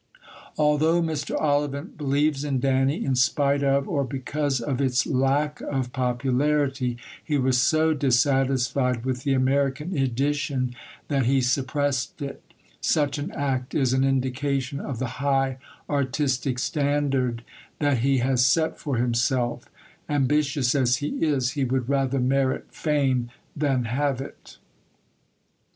Although Mr. Ollivant believes in Danny, in spite of or because of its lack of popularity, he was so dissatisfied with the American edition that he suppressed it. Such an act is an indication of the high artistic standard that he has set for himself; ambitious as he is, he would rather merit fame than have it.